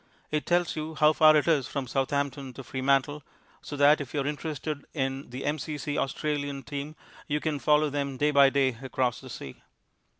It tells you how far it is from Southampton to Fremantle, so that if you are interested in the M.C.C. Australian team you can follow them day by day across the sea.